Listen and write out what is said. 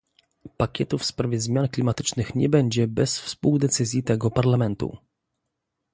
pakietu w sprawie zmian klimatycznych nie będzie bez współdecyzji tego Parlamentu